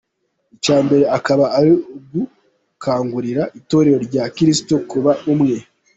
Icya mbere akaba ari ugukangurira itorero rya Kristo kuba umwe.